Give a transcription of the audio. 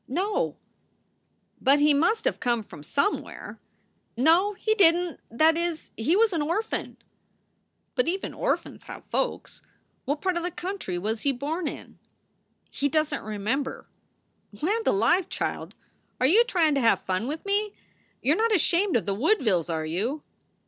"No." "But he must have come from somewhere." "No, he didn t. That is he was an orphan." "But even orphans have folks. What part of the country was he born in?" "He doesn t remember." "Land alive! child, are you tryin to have fun with me? You re not ashamed of the Woodvilles, are you?